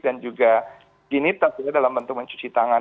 dan juga ini tetap dalam bentuk mencuci tangan